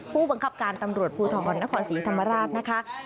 ผู้บังคับการตำรวจภูทรนครศรีธรรมราชนะคะ